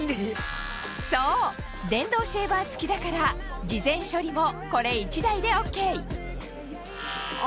そう電動シェーバー付きだから事前処理もこれ１台でＯＫあ